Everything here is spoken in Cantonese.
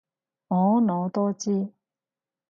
婀娜多姿